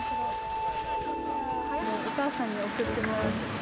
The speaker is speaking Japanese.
お母さんに送ってもらってます。